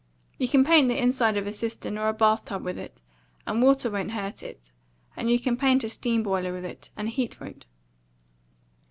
You can paint the inside of a cistern or a bath tub with it, and water won't hurt it; and you can paint a steam boiler with it, and heat won't.